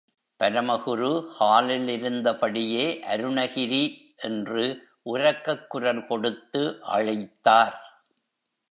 பரமகுரு ஹாலிலிருந்தபடியே, அருணகிரி! என்று உரக்கக் குரல் கொடுத்து அழைத்தார்.